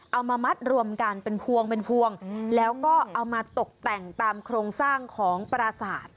เอามามัดรวมกันเป็นพวงเป็นพวงแล้วก็เอามาตกแต่งตามโครงสร้างของปราศาสตร์